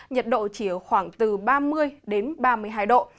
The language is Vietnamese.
nhiệt độ chỉ ở khoảng từ ba mươi đến ba mươi hai độ